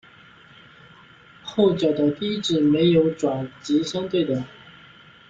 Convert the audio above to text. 后脚的第一趾没有爪及相对的。